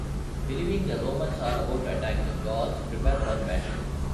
Believing the Romans are about to attack, the Gauls prepare for battle.